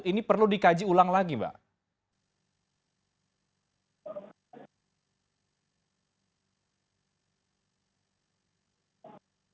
ini perlu dikaji ulang lagi pak